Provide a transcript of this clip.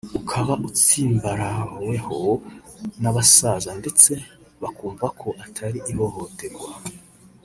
ukaba ugitsimbaraweho n’abasaza ndetse bakumva ko atari ihohoterwa